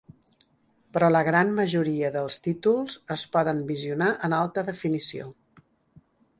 Però la gran majoria dels títols es poden visionar en alta definició.